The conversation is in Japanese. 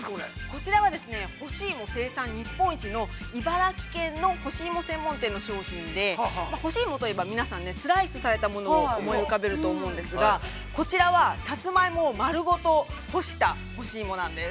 ◆こちらは、干し芋生産日本一の茨城県の干し芋専門店の商品で、干し芋といえば、スライスされたものを思い浮かべると思うんですが、こちらは、さつまいもを丸ごと干したものなんです。